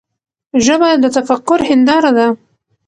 ژبه د تفکر هنداره ده.